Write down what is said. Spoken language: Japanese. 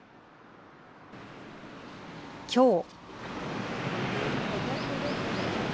きょう。